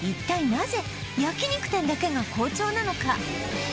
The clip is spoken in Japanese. なぜ焼肉店だけが好調なのか？